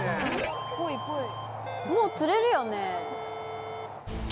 もう釣れるよね。